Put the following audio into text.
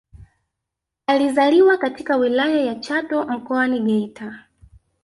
Alizaliwa katika Wilaya ya Chato Mkoani Geita